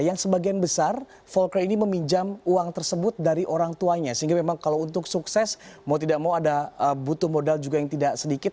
yang sebagian besar volker ini meminjam uang tersebut dari orang tuanya sehingga memang kalau untuk sukses mau tidak mau ada butuh modal juga yang tidak sedikit